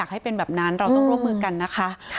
ให้เป็นแบบนั้นเราต้องร่วมมือกันนะคะ